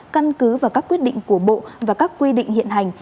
căn cứ và các quyết định của bộ và các quy định hiện hành